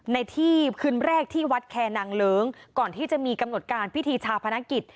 ในที่คืนแรกที่วัดแคนางเลิ้งก่อนที่จะมีกำหนดการพิธีชาพนักกิจ